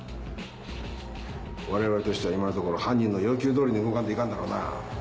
我々としては今のところ犯人の要求どおりに動かんといかんだろうな。